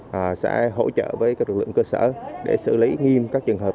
và sẽ hỗ trợ với các lực lượng cơ sở để xử lý nghiêm các trường hợp